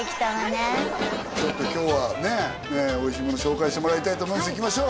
ちょっと今日はねおいしいもの紹介してもらいたいと思いますいきましょう